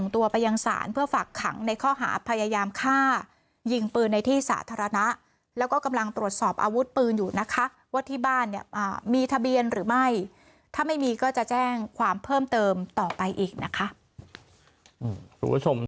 ตัวไปยังศาลเพื่อฝากขังในข้อหาพยายามฆ่ายิงปืนในที่สาธารณะแล้วก็กำลังตรวจสอบอาวุธปืนอยู่นะคะว่าที่บ้านเนี่ยมีทะเบียนหรือไม่ถ้าไม่มีก็จะแจ้งความเพิ่มเติมต่อไปอีกนะคะ